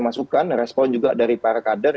masukan respon juga dari para kader